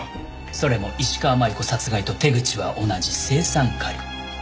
それも石川真悠子殺害と手口は同じ青酸カリ。